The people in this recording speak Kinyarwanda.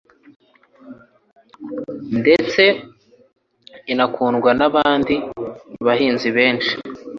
ndetse inakundwa n'abandi bahanzi benshi